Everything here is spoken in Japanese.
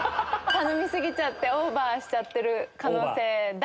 頼み過ぎちゃってオーバーしちゃってる可能性大！